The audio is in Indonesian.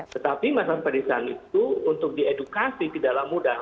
tetapi masyarakat pedesaan itu untuk diedukasi tidaklah mudah